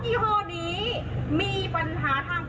คลิปที่อัพโหลดขึ้นไอจีกาลุนาแจ้งส่วนความให้กับฉันด้วย